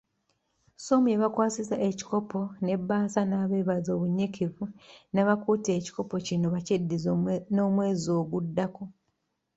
SOM y'abakwasizza ekikopo n'ebbaasa n'abeebaza obunyiikivu n'abakuutira ekikopo kino bakyeddize n'omwezi oguddako.